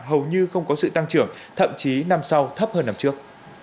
hầu như không có sự tăng trưởng thậm chí năm sau thấp hơn năm trước